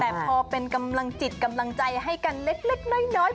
แต่พอเป็นกำลังจิตกำลังใจให้กันเล็กน้อย